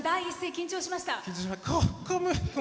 緊張しました。